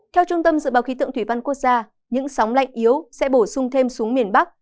theo trung tâm dự báo khí tượng thủy văn quốc gia những sóng lạnh yếu sẽ bổ sung thêm xuống miền bắc